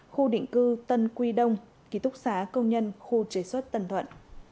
khu định cư tân quy đông ký túc xá công nhân khu chế xuất tân thuận